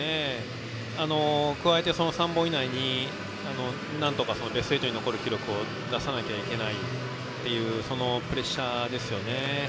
加えて、３本以内になんとかベスト８に残る記録を出さなくてはいけないプレッシャーですよね。